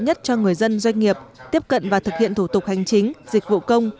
nhất cho người dân doanh nghiệp tiếp cận và thực hiện thủ tục hành chính dịch vụ công